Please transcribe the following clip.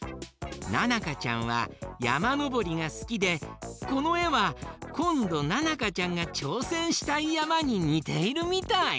ななかちゃんはやまのぼりがすきでこのえはこんどななかちゃんがちょうせんしたいやまににているみたい！